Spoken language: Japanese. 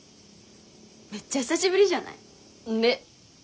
めっちゃ久しぶりじゃない？んね！